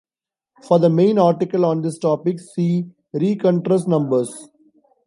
For the main article on this topic, see rencontres numbers.